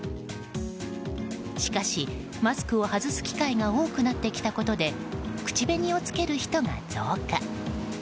しかし、マスクを外す機会が多くなってきたことで口紅をつける人が増加。